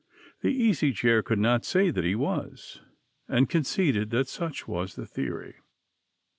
The Easy Chair could not say that he was, and conceded that such was the theory.